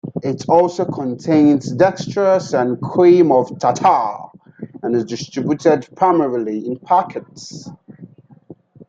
It also contains dextrose and cream of tartar, and is distributed primarily in packets.